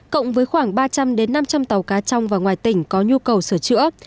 cộng với khoảng ba trăm linh năm trăm linh tàu cá trong và ngoài tỉnh có nhu cầu sửa chữa